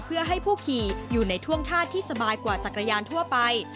เพื่อให้ผู้ขี่อยู่ในท่วงท่าที่สบายกว่าจักรยานทั่วไป